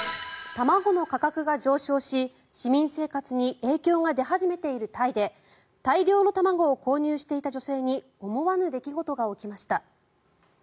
卵の価格が上昇し市民生活に影響が出始めているタイで大量の卵を購入していた女性に思わぬ出来事が起きました。